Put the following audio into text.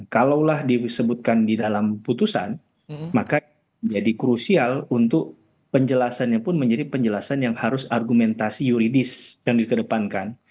kalaulah disebutkan di dalam putusan maka jadi krusial untuk penjelasannya pun menjadi penjelasan yang harus argumentasi yuridis yang dikedepankan